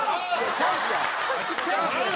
チャンス！